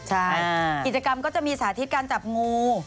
ใช่กิจกรรมก็จะมีสาธิตการจับงู